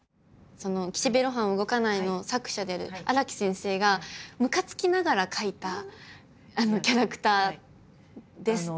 「岸辺露伴は動かない」の作者である荒木先生がむかつきながら描いたキャラクターですっていう。